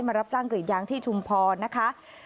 รับจ้างกรีดยางที่ชุมพรนะคะ